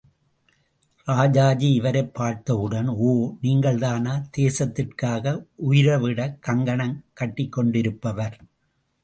ராஜாஜி இவரைப் பார்த்தவுடன் ஓ நீங்கள்தானா தேசத்திற்காக உயிரைவிடக்கங்கணம் கட்டிக்கொண்டிருப்பவர்?